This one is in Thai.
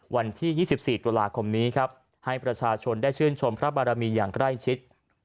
วันที่๒๔ตุลาคมนี้ครับให้ประชาชนได้ชื่นชมพระบารมีอย่างใกล้ชิด